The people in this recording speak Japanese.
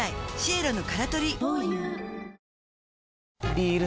ビール